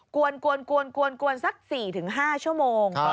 กวนสัก๔๕ชั่วโมง